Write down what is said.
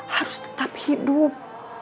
harus tetap hidup